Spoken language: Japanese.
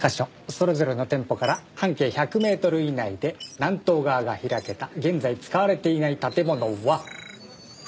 それぞれの店舗から半径１００メートル以内で南東側が開けた現在使われていない建物は。